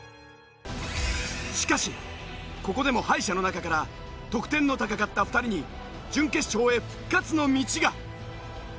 しかしここでも敗者の中から得点の高かった２人に準決勝へ復活の道が。